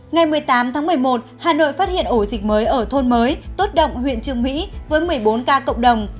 ngày một mươi tám tháng một mươi một hà nội phát hiện ổ dịch mới ở thôn mới tốt động huyện trường mỹ với một mươi bốn ca cộng đồng